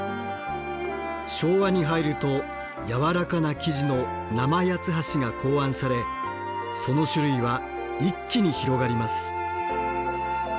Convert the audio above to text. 昭和に入るとやわらかな生地の生八ツ橋が考案されその種類は一気に広がります。